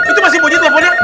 itu masih bunyi teloponnya